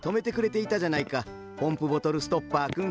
ポンプボトルストッパーくん。